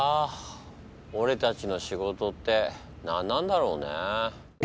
俺たちの仕事って何なんだろうね。